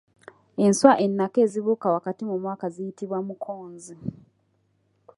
Enswa ennaka ezibuuka wakati mu mwaka ziyitibwa mukonzi.